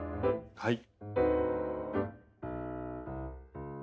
はい。